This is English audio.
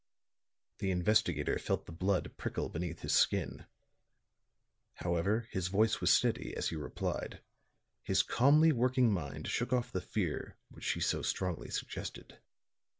The investigator felt the blood prickle beneath his skin. However, his voice was steady as he replied; his calmly working mind shook off the fear which she so strongly suggested.